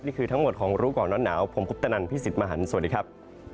นี่คือทั้งหมดของรู้ก่อนร้อนหนาวผมคุปตนันพี่สิทธิ์มหันฯสวัสดีครับ